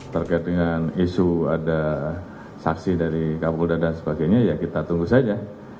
terkait dengan isu ada saksi dari kapolda dan sebagainya ya kita tunggu saja